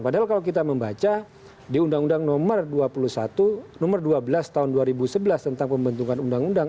padahal kalau kita membaca di undang undang nomor dua puluh satu nomor dua belas tahun dua ribu sebelas tentang pembentukan undang undang